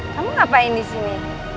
kamu ngapain disini